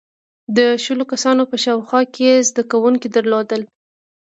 • د شلو کسانو په شاوخوا کې یې زدهکوونکي درلودل.